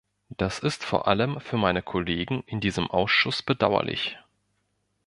Das ist vor allem für meine Kollegen in diesem Ausschuss bedauerlich.